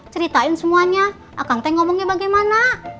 ceritain semuanya akan teh ngomongnya bagaimana